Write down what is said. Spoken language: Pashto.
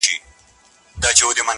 هغه ورځ چي نه لېوه نه قصابان وي-